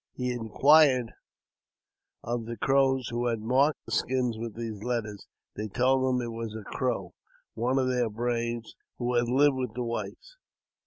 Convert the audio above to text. He inquired of the Crows who had marked the skins with those letters. They told him it was a Crow, one of their braves, who had lived with the whites.